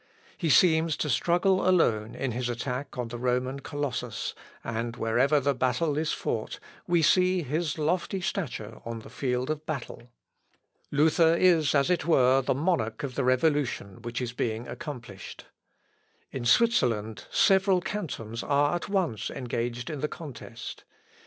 He seems to struggle alone in his attack on the Roman Colossus, and wherever the battle is fought, we see his lofty stature on the field of battle. Luther is, as it were, the monarch of the revolution which is being accomplished. In Switzerland, several cantons are at once engaged in the contest.